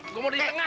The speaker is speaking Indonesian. gue mau di tengah